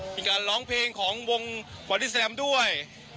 มีการร้องเพลงของวงบริษัทแหลมด้วย